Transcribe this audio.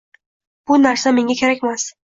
Bu narsa menga kerakmas.